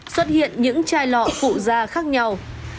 xuất hiện những chai lọ phụ da khác nhau